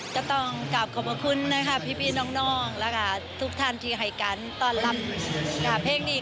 ก็ต้องกลับขอบคุณนะคะพี่น้องแล้วก็ทุกท่านที่ให้การต้อนรับเพลงนี้